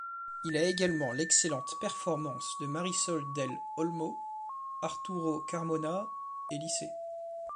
Il a également l'excellente performance de Marisol del Olmo, Arturo Carmona et Lisset.